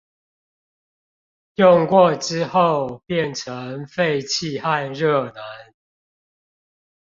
用過之後變成廢氣和熱能